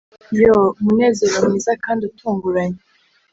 yoo! umunezero mwiza kandi utunguranye